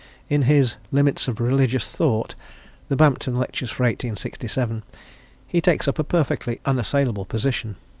In his 'Limits of Religious Thought,' the Bampton Lectures for 1867, he takes up a perfectly unassailable position.